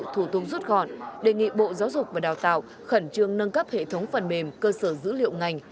thủ tục rút gọn đề nghị bộ giáo dục và đào tạo khẩn trương nâng cấp hệ thống phần mềm cơ sở dữ liệu ngành